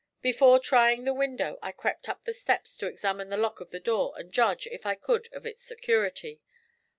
Before trying the window I crept up the steps to examine the lock of the door, and judge, if I could, of its security.